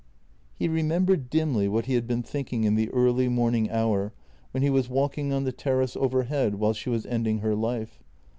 He remembered dimly what he had been thinking in the early morning hour when he was walking on the terrace overhead while she was ending her life.